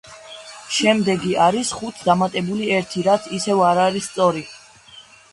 შემდეგი არის ხუთს დამატებული ერთი რაც ისევ არ არის სწორი.